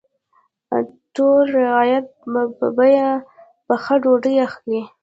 ټول رعیت به په بیه پخه ډوډۍ اخلي.